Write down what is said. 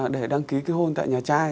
để đăng ký kết hôn tại nhà trai